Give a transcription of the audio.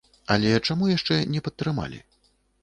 Але чаму яшчэ не падтрымалі?